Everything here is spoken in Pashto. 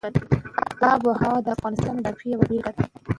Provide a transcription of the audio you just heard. آب وهوا د افغانستان د جغرافیې یوه بېلګه ده.